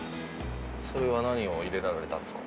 それは何を入れられたんですか？